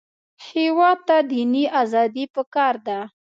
هېواد ته دیني ازادي پکار ده